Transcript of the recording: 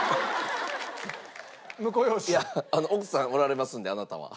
いや奥さんおられますんであなたは。